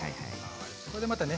これでまたね